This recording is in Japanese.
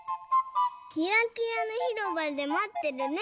「キラキラのひろばでまってるね。